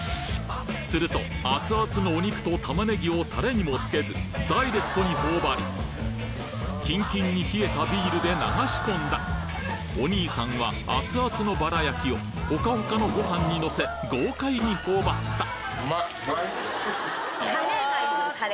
すると熱々のお肉とタマネギをタレにもつけずダイレクトに頬張りキンキンに冷えたビールで流し込んだお兄さんは熱々のバラ焼きをほかほかのご飯にのせ豪快に頬張ったタレ？